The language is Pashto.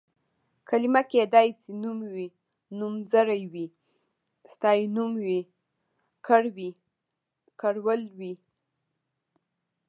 کلمه کيدای شي نوم وي، نومځری وي، ستاینوم وي، کړ وي، کړول وي...